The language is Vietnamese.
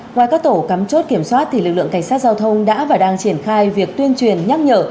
ngoài các tổ cắm chốt kiểm soát thì lực lượng cảnh sát giao thông đã và đang triển khai việc tuyên truyền nhắc nhở